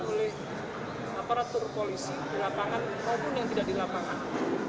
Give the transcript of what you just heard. oleh aparatur polisi di lapangan maupun yang tidak di lapangan